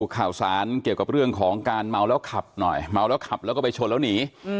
ข่าวสารเกี่ยวกับเรื่องของการเมาแล้วขับหน่อยเมาแล้วขับแล้วก็ไปชนแล้วหนี